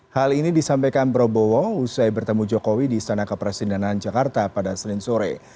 hal ini disampaikan prabowo usai bertemu jokowi di istana kepresidenan jakarta pada senin sore